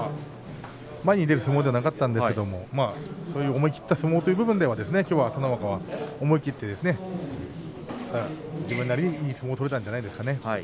前に出る相撲ではなかったんですけれどそういう思い切った相撲という部分ではきょうは朝乃若は思い切って自分なりにいい相撲を取れたんじゃないですかね。